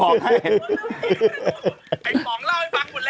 ไอ้ปองล่าวให้ฟังหมดแล้ว